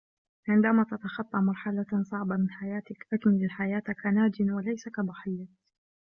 عندما تتخطى مرحلةً صعبة من حياتك، أكمل الحياة كناجٍ وليس كضحية